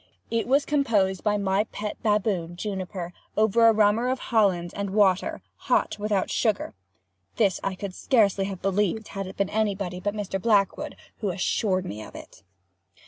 It was composed by my pet baboon, Juniper, over a rummer of Hollands and water, 'hot, without sugar.'" [This I could scarcely have believed had it been anybody but Mr. Blackwood, who assured me of it.